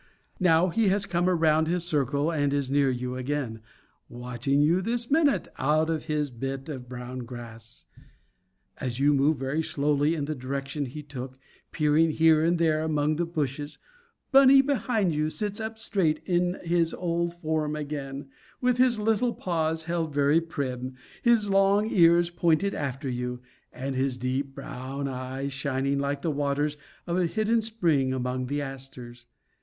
Now he has come around his circle and is near you again watching you this minute, out of his bit of brown grass. As you move slowly away in the direction he took, peering here and there among the bushes, Bunny behind you sits up straight in his old form again, with his little paws held very prim, his long ears pointed after you, and his deep brown eyes shining like the waters of a hidden spring among the asters.